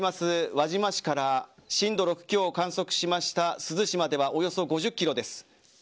輪島市から震度６強を観測しました珠洲市まではおよそ５０キロです。